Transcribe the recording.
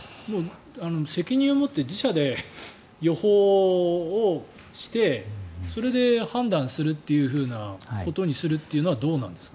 責任を持って自社で予報をしてそれで判断するということにするというのはどうなんですか。